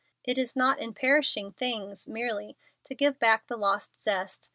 It is not in perishing things, merely, to give back the lost zest.